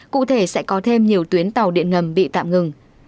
cụ thể sẽ có thêm nhiều tuyến tàu điện ngầm bị tạm ngừng